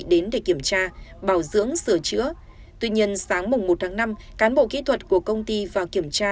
đến để kiểm tra bảo dưỡng sửa chữa tuy nhiên sáng một tháng năm cán bộ kỹ thuật của công ty vào kiểm tra